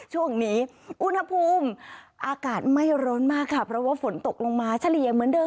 ช่วงนี้อุณหภูมิอากาศไม่ร้อนมากค่ะเพราะว่าฝนตกลงมาเฉลี่ยเหมือนเดิ